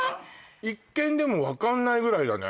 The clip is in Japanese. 一見でも分かんないぐらいだね